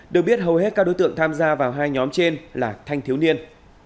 được biết hầu hết các đối tượng tham gia vào hai nhóm trên là thanh thiếu niên